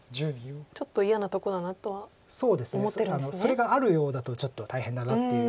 それがあるようだとちょっと大変だなっていう。